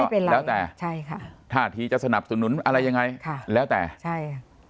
เป็นแล้วแต่ใช่ค่ะท่าทีจะสนับสนุนอะไรยังไงค่ะแล้วแต่ใช่ค่ะ